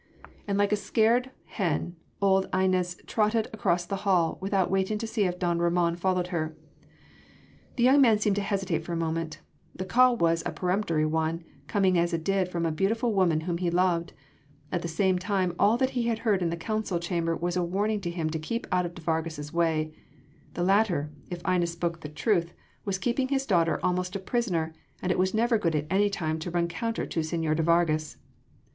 And like a scared hen, old Inez trotted across the hall, without waiting to see if don Ramon followed her. The young man seemed to hesitate for a moment: the call was a peremptory one, coming as it did from a beautiful woman whom he loved: at the same time all that he had heard in the council chamber was a warning to him to keep out of de Vargas’ way; the latter if Inez spoke the truth was keeping his daughter almost a prisoner, and it was never good at any time to run counter to señor de Vargas.